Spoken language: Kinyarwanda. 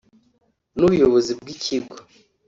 n'Ubuyobozi bw'Ikigo